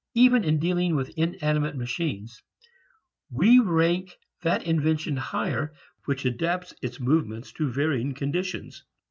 Even in dealing with inanimate machines we rank that invention higher which adapts its movements to varying conditions.